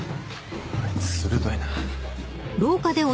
あいつ鋭いな。